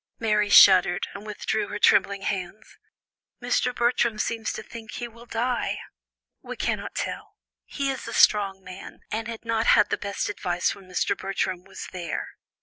Mary shuddered, and withdrew her trembling hands. "Mr. Bertram seems to think he will die." "We cannot tell; he is a strong man and had not had the best advice when Mr. Bertram was there.